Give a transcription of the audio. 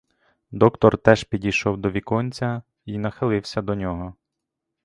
Доктор теж підійшов до віконця й нахилився до нього.